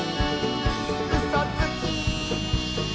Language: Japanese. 「うそつき！」